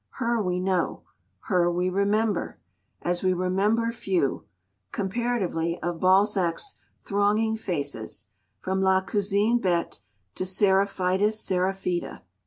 Her we know, her we remember, as we remember few, comparatively, of Balzac's thronging faces, from La Cousine Bette to Séraphitus Séraphita.